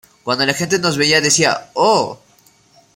Cuando la gente nos veía decía: '¡Oh!